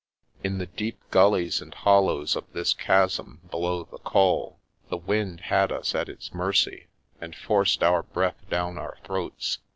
In the deep gillies and hollows of this chasm below the Col, the wind had us at its mercy, and forced our breath down our throats.